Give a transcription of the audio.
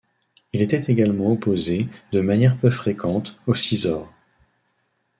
Il était également opposé, de manière peu fréquente, au scissor.